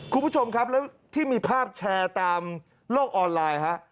คุณผู้ชมครับแล้วที่มีภาพแชร์ตามโลกออนไลน์ฮะ